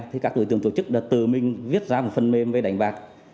thì các đối tượng tổ chức đã tự mình viết ra một phần mềm về đánh bạc